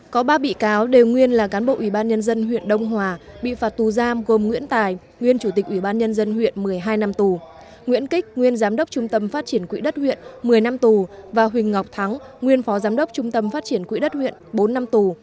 có ba bị cáo đều nguyên là cán bộ ủy ban nhân dân huyện đông hòa bị phạt tù giam gồm nguyễn tài nguyên chủ tịch ủy ban nhân dân huyện một mươi hai năm tù nguyễn kích nguyên giám đốc trung tâm phát triển quỹ đất huyện một mươi năm tù và huỳnh ngọc thắng nguyên phó giám đốc trung tâm phát triển quỹ đất huyện bốn năm tù